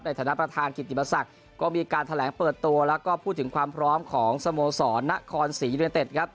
ฐานประธานกิติปศักดิ์ก็มีการแถลงเปิดตัวแล้วก็พูดถึงความพร้อมของสโมสรนครศรียูเนเต็ดครับ